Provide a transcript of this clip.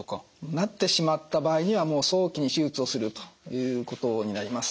なってしまった場合には早期に手術をするということになります。